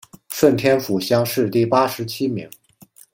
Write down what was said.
顺天府乡试第八十七名。